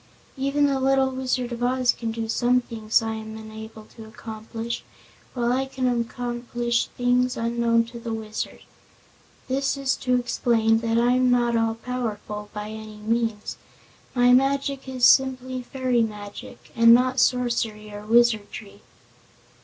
Even the little Wizard of Oz can do some things I am unable to accomplish, while I can accomplish things unknown to the Wizard. This is to explain that I'm not all powerful, by any means. My magic is simply fairy magic, and not sorcery or wizardry."